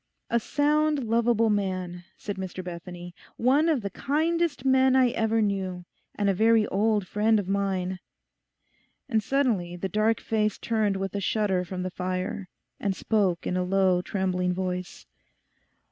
'A sound, lovable man,' said Mr Bethany, 'one of the kindest men I ever knew; and a very old friend of mine.' And suddenly the dark face turned with a shudder from the fire, and spoke in a low trembling voice.